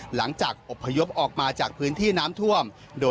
หลังจากอบพยพออกมาจากพื้นที่น้ำท่วม